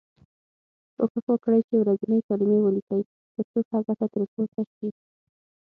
کوښښ وکړی چې ورځنۍ کلمې ولیکی تر څو ښه ګټه ترې پورته شی.